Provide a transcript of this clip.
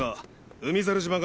海猿島が。